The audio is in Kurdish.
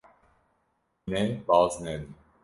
Hûn ê baz nedin.